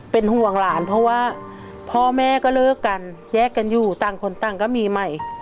เป็นห่วงหลานเพราะว่าพ่อแม่ก็เลิกกันแยกกันอยู่ต่างคนต่างก็มีใหม่